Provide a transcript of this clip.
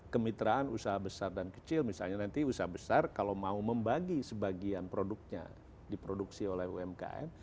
kemitraan usaha besar dan kecil misalnya nanti usaha besar kalau mau membagi sebagian produknya diproduksi oleh umkm